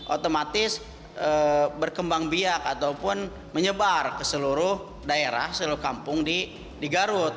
seribu sembilan ratus tiga puluh otomatis berkembang biak ataupun menyebar ke seluruh daerah seluruh kampung di garut